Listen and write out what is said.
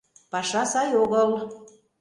Паша сай огыл...